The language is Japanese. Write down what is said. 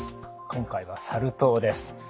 今回はサル痘です。